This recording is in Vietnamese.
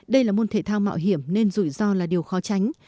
đây là môn thể thao mạo hiểm nên rủi ro là điều khó tránh